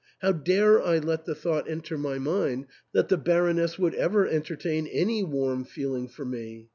How dare I let the thought enter my mind that the Baroness would ever entertain any warm feeling for me